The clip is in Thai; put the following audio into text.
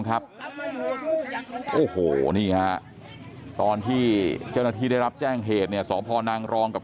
ครับโอ้โหนี่ฮะตอนที่เจ้าหน้าที่ได้รับแจ้งเหตุเนี่ยสพนางรองกับ